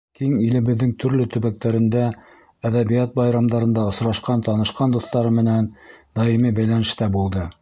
Киң илебеҙҙең төрлө төбәктәрендә әҙәбиәт байрамдарында осрашҡан, танышҡан дуҫтары менән даими бәйләнештә булды.